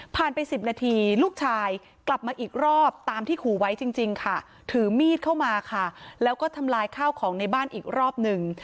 ไป๑๐นาทีลูกชายกลับมาอีกรอบตามที่ขู่ไว้จริงค่ะถือมีดเข้ามาค่ะแล้วก็ทำลายข้าวของในบ้านอีกรอบหนึ่ง